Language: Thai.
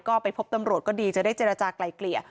ก็ไปพบตำรวจก็ดีจะได้เจรจากลายเกลี่ย